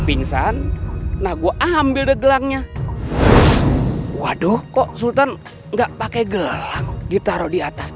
pingsan nah gue ambil deh gelangnya waduh kok sultan enggak pakai gelang ditaruh di atas